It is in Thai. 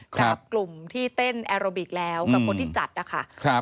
กับกลุ่มที่เต้นแอโรบิกแล้วกับคนที่จัดนะคะ